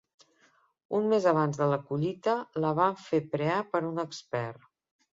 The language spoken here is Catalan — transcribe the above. Un mes abans de la collita, la van fer prear per un expert.